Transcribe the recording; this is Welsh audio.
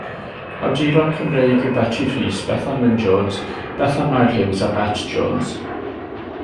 Awduron Cymreig yw Beti Rhys, Bethan Wyn Jones, Bethan Mair Hughes a Bet Jones.